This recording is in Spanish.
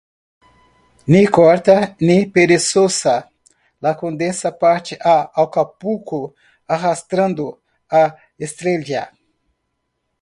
Ni corta ni perezosa, La Condesa parte a Acapulco arrastrando a Estrella.